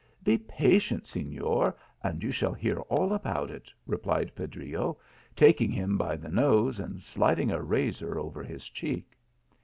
" Be patient, Senor, and you shall hear all about it/ replied Pedrillo, taking him by the nose and sliding a razor over his cheek.